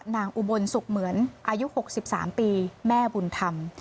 อุบลสุขเหมือนอายุ๖๓ปีแม่บุญธรรม